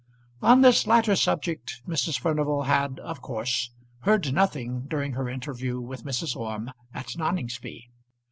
On this latter subject Mrs. Furnival had of course heard nothing during her interview with Mrs. Orme at Noningsby.